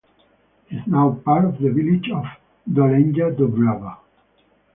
It is now part of the village of Dolenja Dobrava.